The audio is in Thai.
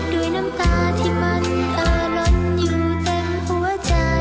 ด้วยน้ำตาที่มันอาลนอยู่เต็มหัวใจ